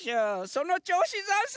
そのちょうしざんす！